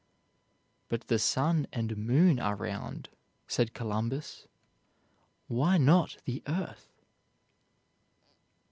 "But the sun and moon are round," said Columbus, "why not the earth?"